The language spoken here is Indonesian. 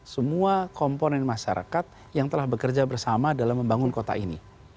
semua komponen masyarakat yang telah bekerja bersama dalam membangun kota ini